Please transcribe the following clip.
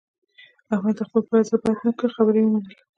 احمد د خپل پلار زړه بد نه کړ، خبره یې ومنله.